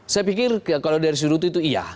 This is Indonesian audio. saya pikir kalau dari sudut itu iya